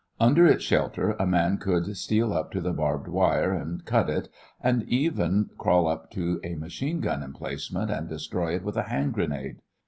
Under its shelter a man could steal up to the barbed wire and cut it and even crawl up to a machine gun emplacement and destroy it with a hand grenade.